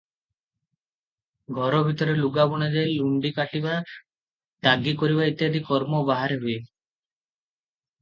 ଘର ଭିତରେ ଲୁଗା ବୁଣାଯାଏ; ଲୁଣ୍ତି କାଟିବା, ତାଗୀ କରିବା ଇତ୍ୟାଦି କର୍ମ ବାହାରେ ହୁଏ ।